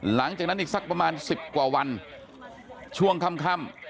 หลังจากนั้นอีกสักประมาณ๑๐กว่าวันช่วงค่ำ